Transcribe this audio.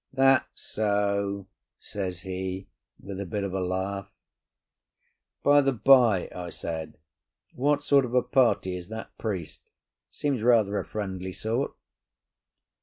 "That's so," says he, with a bit of a laugh. "By the bye," I said, "what sort of a party is that priest? Seems rather a friendly sort."